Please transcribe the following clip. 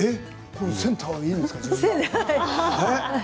センターでいいんですか。